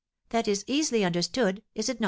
That is easily understood, is it not, M.